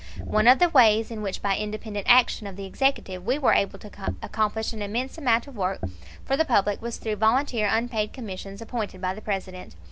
One of the ways in which by independent action of the executive we were able to accomplish an immense amount of work for the public was through volunteer unpaid commissions appointed by the President.